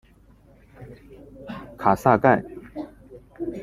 卡萨盖。